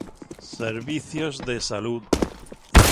Servicios de Salud